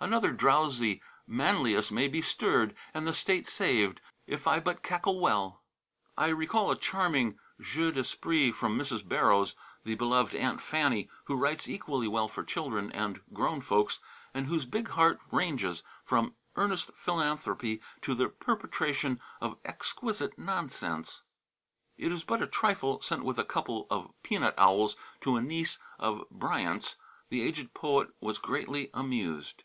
Another drowsy Manlius may be stirred And the State saved, if I but cackle well. I recall a charming jeu d'esprit from Mrs. Barrows, the beloved "Aunt Fanny," who writes equally well for children and grown folks, and whose big heart ranges from earnest philanthropy to the perpetration of exquisite nonsense. It is but a trifle, sent with a couple of peanut owls to a niece of Bryant's. The aged poet was greatly amused.